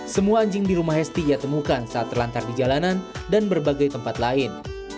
semua anjing di rumah hesti ia temukan saat terlantar di jalanan dan berbagai tempat lain